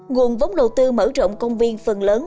nguồn vốn đầu tư mở rộng công viên phần lớn